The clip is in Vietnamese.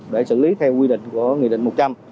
để xử lý theo quy định của nghị định một trăm linh